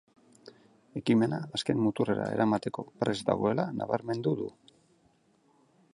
Ekimena azken muturrera eramateko prest dagoela nabarmendu du.